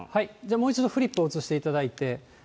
もう一度、フリップを映していただいて。